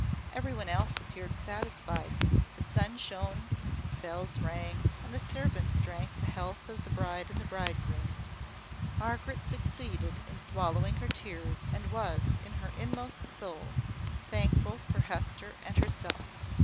Every one else appeared satisfied. The sun shone; the bells rang; and the servants drank the health of the bride and bridegroom. Margaret succeeded in swallowing her tears, and was, in her inmost soul, thankful for Hester and herself.